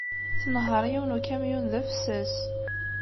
Tnehheṛ yiwen n ukamyun d afessas.